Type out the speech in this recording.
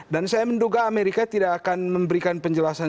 dan saya menduga amerika tidak akan memberikan penjelasan